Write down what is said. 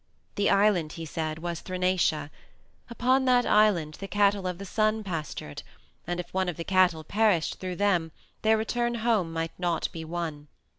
The island, he said, was Thrinacia. Upon that island the Cattle of the Sun pastured, and if one of the cattle perished through them their return home might not be won.